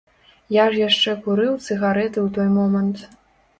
Я ж яшчэ курыў цыгарэты ў той момант.